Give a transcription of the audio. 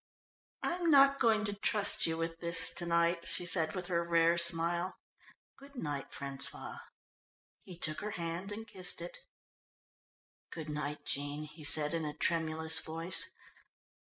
"I'm not going to trust you with this to night," she said with her rare smile. "Good night, François." He took her hand and kissed it. "Good night, Jean," he said in a tremulous voice.